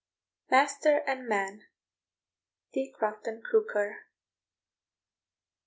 ] MASTER AND MAN. T. CROFTON CROKER.